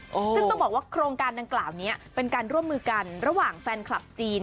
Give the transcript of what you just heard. ซึ่งต้องบอกว่าโครงการดังกล่าวนี้เป็นการร่วมมือกันระหว่างแฟนคลับจีน